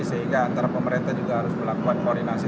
sehingga antara pemerintah juga harus melakukan koordinasi